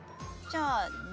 じゃあＤ。